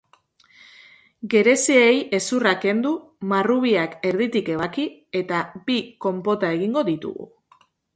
Gereziei hezurra kendu, marrubiak erditik ebaki eta bi konpota egingo ditugu.